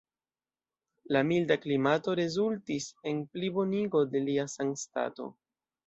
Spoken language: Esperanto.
La milda klimato rezultis en plibonigo de lia sanstato.